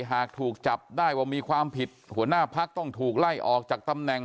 หากถูกจับได้ว่ามีความผิดหัวหน้าพักต้องถูกไล่ออกจากตำแหน่ง